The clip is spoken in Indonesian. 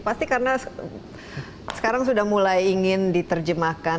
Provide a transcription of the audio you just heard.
pasti karena sekarang sudah mulai ingin diterjemahkan